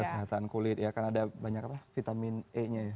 kesehatan kulit ya karena ada banyak vitamin e nya